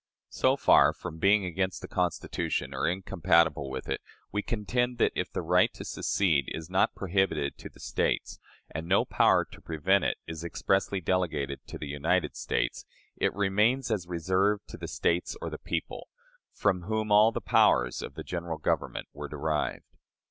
So far from being against the Constitution or incompatible with it, we contend that, if the right to secede is not prohibited to the States, and no power to prevent it expressly delegated to the United States, it remains as reserved to the States or the people, from whom all the powers of the General Government were derived.